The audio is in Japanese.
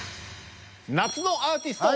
「夏のアーティスト」。